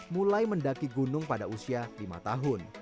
mulai mendaki gunung pada usia lima tahun